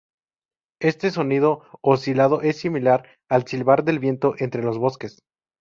Este sonido oscilado es similar al silbar del viento entre los bosques.